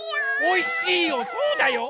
おいしいよそうだよ！